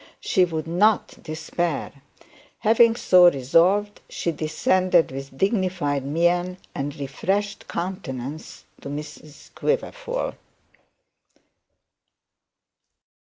She would not despair. Having so resolved, she descended with dignified mien and refreshed countenance to Mrs Quiverful.